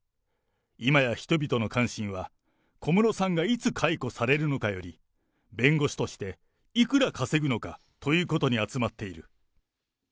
今や人々の関心は、小室さんがいつ解雇されるのかより、弁護士としていくら稼ぐのかということに集まっている。